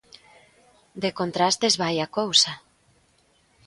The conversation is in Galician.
De contrastes vai a cousa.